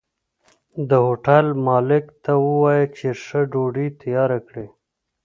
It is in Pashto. د هوټل مالک ته ووايه چې ښه ډوډۍ تياره کړي